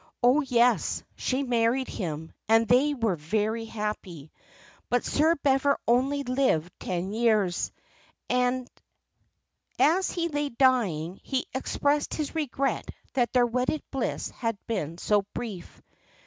"Oh, yes, she married him, and they were very happy; but Sir Bever only lived ten years. As he lay dying he expressed his regret that their wedded bliss had been so brief.